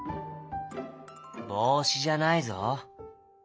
「ぼうしじゃないぞ」。